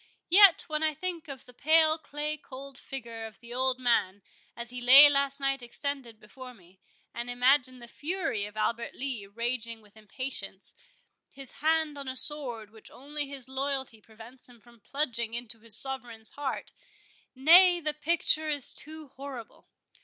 Yet, when I think of the pale clay cold figure of the old man, as he lay last night extended before me, and imagine the fury of Albert Lee raging with impatience, his hand on a sword which only his loyalty prevents him from plunging into his sovereign's heart—nay, the picture is too horrible!